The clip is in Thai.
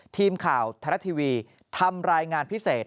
ทีมข่าวไทยรัฐทีวีทำรายงานพิเศษ